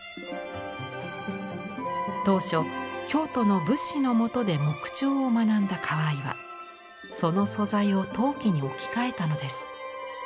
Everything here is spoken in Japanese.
当初京都の仏師のもとで木彫を学んだ河井はその素材を陶器に置き換えたのです。